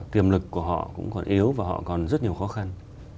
tiềm lực của họ cũng còn yếu và họ còn rất nhiều khó khăn